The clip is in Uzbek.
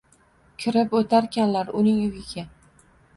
Kirib o’tarkanlar uning uyiga.